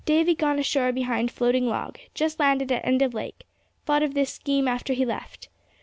"Davy gone ashore behind floating log. Just landed at end of lake. Thought of this scheme after he left.